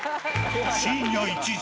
深夜１時。